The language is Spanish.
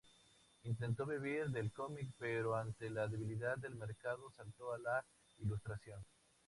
Intentó vivir del cómic, pero ante la debilidad del mercado, saltó a la ilustración.